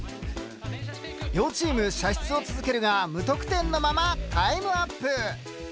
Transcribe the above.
両チーム射出を続けるが無得点のままタイムアップ。